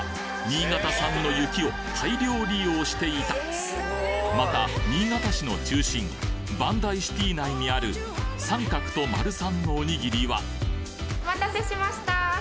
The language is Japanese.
新潟産の雪を大量利用していたまた新潟市の中心万代シテイ内にある「さんかくとまる」さんのおにぎりはお待たせしました！